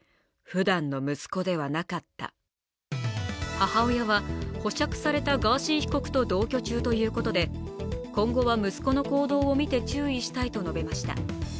母親は保釈されたガーシー被告と同居中ということで今後は息子の行動を見て注意したいと述べました。